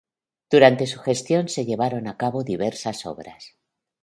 Durante su gestión se llevaron a cabo diversas obras.